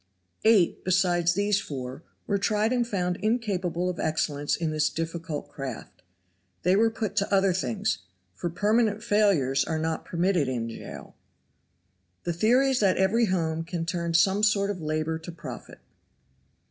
Eight, besides these four, were tried and found incapable of excellence in this difficult craft. They were put to other things; for permanent failures are not permitted in Jail. The theory is that every home can turn some sort of labor to profit.